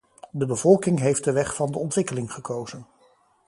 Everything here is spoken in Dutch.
De bevolking heeft de weg van de ontwikkeling gekozen.